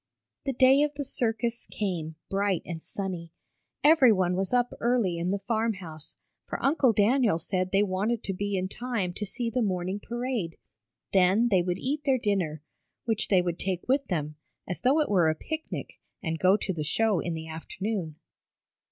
The day of the circus came, bright and sunny. Everyone was up early in the farm house, for Uncle Daniel said they wanted to be in time to see the morning parade. Then they would eat their dinner, which they would take with them, as though it were a picnic, and go to the show in the afternoon.